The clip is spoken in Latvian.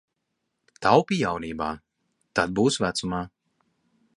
Taupi jaunībā, tad būs vecumā.